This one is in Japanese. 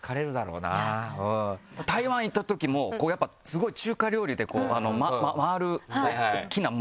台湾行ったときもやっぱスゴい中華料理で回る大きなもう。